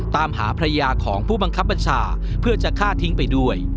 ตามหาภรรยาของผู้บังคับบัญชาเพื่อจะฆ่าทิ้งไปด้วย